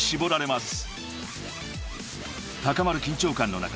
［高まる緊張感の中］